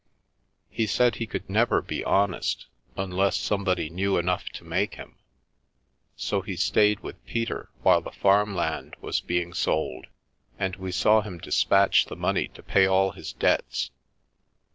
He said he could never be honest, un less somebody knew enough to make him, so he stayed with Peter while the farm land was being sold, and we saw him dispatch the money to pay all his debts.